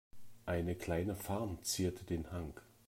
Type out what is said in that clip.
Eine kleine Farm zierte den Hang.